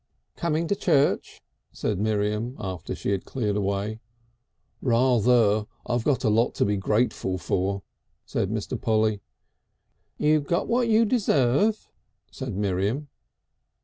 "Coming to church?" said Miriam after she had cleared away. "Rather. I got a lot to be grateful for," said Mr. Polly. "You got what you deserve," said Miriam.